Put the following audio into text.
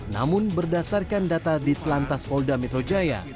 namun berdasarkan data di plantas folda metro jaya